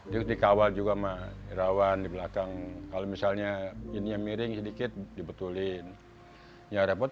dikawal juga sama rawan di belakang kalau misalnya ini miring sedikit dibetulin ya repot